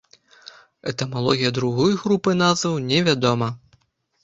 Этымалогія другой групы назваў невядома.